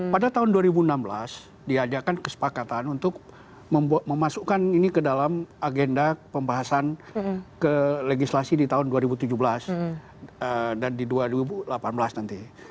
pada tahun dua ribu enam belas diajarkan kesepakatan untuk memasukkan ini ke dalam agenda pembahasan ke legislasi di tahun dua ribu tujuh belas dan di dua ribu delapan belas nanti